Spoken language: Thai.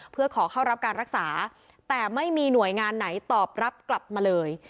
เพื่อขอเข้ารับการรักษาแต่ไม่มีหน่วยงานไหนตอบรับกลับมาเลย